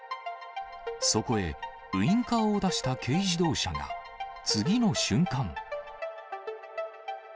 そこへ、ウインカーを出した軽自動車が、次の瞬間。